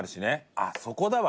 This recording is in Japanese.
あっ、そこだわ。